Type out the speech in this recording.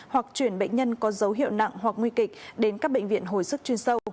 hoặc chuyển bệnh nhân có dấu hiệu nặng hoặc nguy kịch đến các bệnh viện hồi sức